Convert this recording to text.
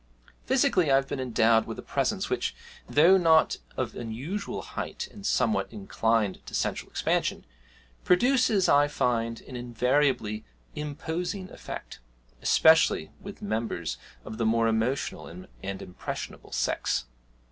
Physically I have been endowed with a presence which, though not of unusual height and somewhat inclined to central expansion, produces, I find, an invariably imposing effect, especially with members of the more emotional and impressionable sex.